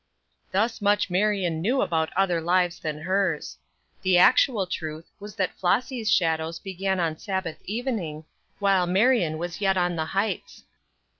Thus much Marion knew about other lives than hers. The actual truth was that Flossy's shadows began on Sabbath evening, while Marion was yet on the heights.